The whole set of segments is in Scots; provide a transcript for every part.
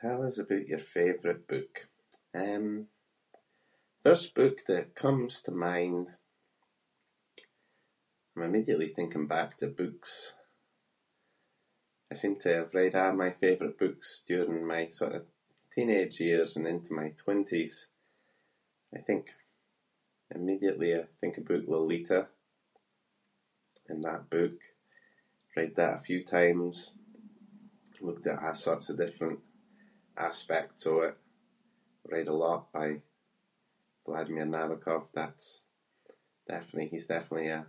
Tell us aboot your favourite book. Um, first book that comes to mind- I’m immediately thinking back to books- I seem to have read a’ my favourite books during my sort of teenage years and into my twenties. I think- immediately I think aboot Lolita and that book- read that a few times, looked at a’ sorts of different aspects of it. Read a lot by Vladimir Nabokov- that’s definitely- he’s definitely a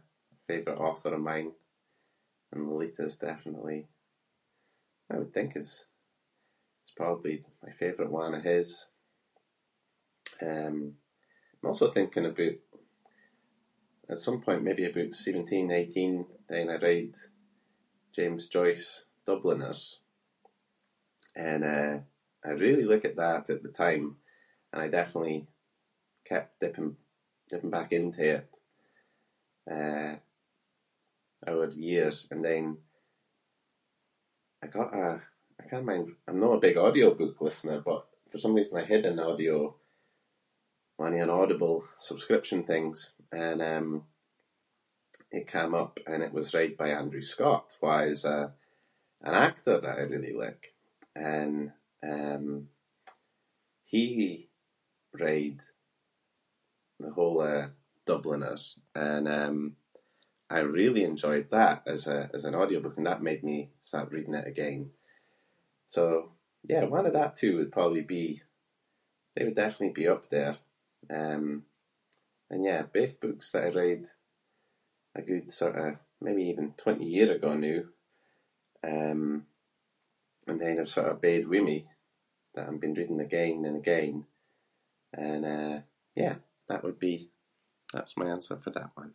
favourite author of mine and Lolita’s definitely- I would think is- is probably my favourite one of his. Um, I’m also thinking aboot- at some point, maybe aboot seventeen/eighteen, then I read James Joyce Dubliners and, eh, I really liked that at the time and I definitely kept dipping- dipping back into it, eh, over the years and then I got a- I cannae mind- I’m no a big audiobook listener but for some reason I had an audio- one of an Audible subscription things and, um, it came up and it was right by Andrew Scott who is a- an actor that I really like, and, um, he read the whole of Dubliners and, um, I really enjoyed that as a- as an audiobook and that made me start reading it again. So, yeah, one of that two would probably be- think definitely’d be up there, um- and yeah, both books that I read a good sort of, maybe even twenty year ago noo, um, and then they're sort of bed with me that I'm been reading again and again and, uh, yeah- that would be- that’s my answer for that one.